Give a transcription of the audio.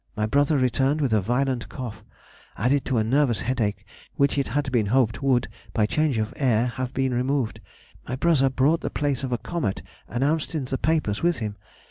My brother returned with a violent cough, added to a nervous headache which it had been hoped would, by change of air, have been removed. My brother brought the place of a comet announced in the papers with him.